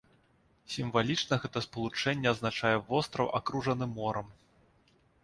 Сімвалічна гэта спалучэнне азначае востраў, акружаны морам.